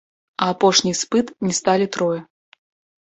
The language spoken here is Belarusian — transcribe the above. А апошні іспыт не здалі трое.